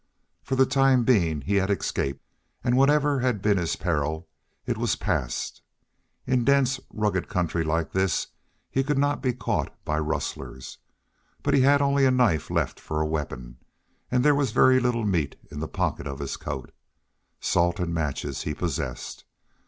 For the time being he had escaped, and whatever had been his peril, it was past. In dense, rugged country like this he could not be caught by rustlers. But he had only a knife left for a weapon, and there was very little meat in the pocket of his coat. Salt and matches he possessed.